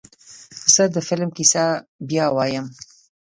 زه د فلم کیسه بیا وایم.